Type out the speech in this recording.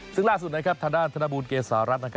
ซึ่งล่าสุดทาน่านธนบู้นเกษารัตต์